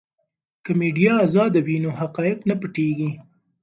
که میډیا ازاده وي نو حقایق نه پټیږي.